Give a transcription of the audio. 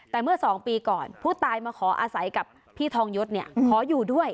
แต่เมื่อ๒ปีก่อนผู้ตายมาขออาศัยกับพี่ทองยศขออยู่ด้วย